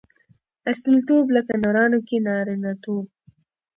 اصیلتوب؛ لکه نرانو کښي نارينه توب.